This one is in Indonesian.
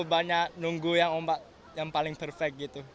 banyak nunggu yang ombak yang paling perfect gitu